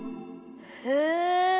へえ。